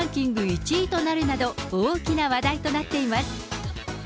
１位となるなど、大きな話題となっています。